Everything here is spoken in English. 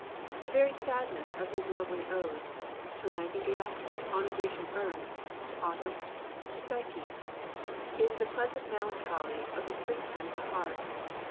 The very sadness of his lovely odes, "To a Nightingale," "On a Grecian Urn," "To Autumn," "To Psyche," is the pleasant melancholy of the springtime of the heart.